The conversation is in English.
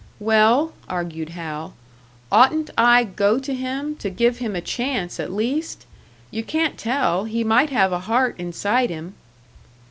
"Well," argued Hal, "oughtn't I go to him, to give him a chance, at least? You can't tell, he might have a heart inside him."